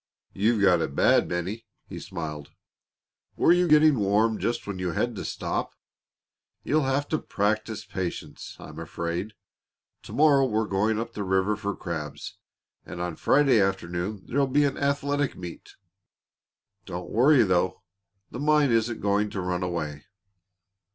"You've got it bad, Bennie," he smiled. "Were you getting warm just when you had to stop? You'll have to practise patience, I'm afraid. To morrow we're going up the river for crabs, and on Friday afternoon there'll be an athletic meet. Don't worry, though. The mine isn't going to run away."